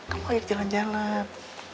kamu ajak jalan jalan